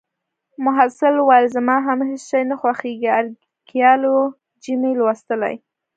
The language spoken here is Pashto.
محصل وویل: زما هم هیڅ شی نه خوښیږي. ارکیالوجي مې لوستلې